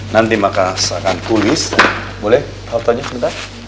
nanti makas akan tulis boleh fotonya sebentar